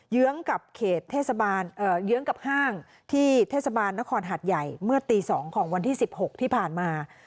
เยื้องกับห้างที่เทศบาลนครหัดใหญ่เมื่อตี๒ของวันที่๑๖ที่ผ่านมา